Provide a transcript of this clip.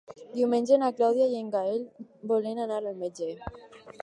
Diumenge na Clàudia i en Gaël volen anar al metge.